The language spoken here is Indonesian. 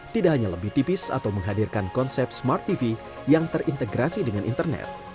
tidak hanya lebih tipis atau menghadirkan konsep smart tv yang terintegrasi dengan internet